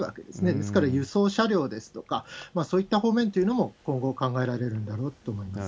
ですから、輸送車両ですとか、そういった方面というのも今後、考えられるんだろうと思います。